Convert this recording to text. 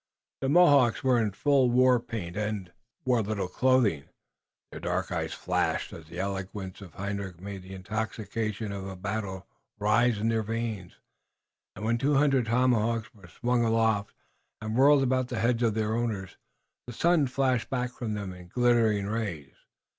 The Mohawks were in full war paint and wore little clothing. Their dark eyes flashed, as the eloquence of Hendrik made the intoxication of battle rise in their veins, and when two hundred tomahawks were swung aloft and whirled about the heads of their owners the sun flashed back from them in glittering rays.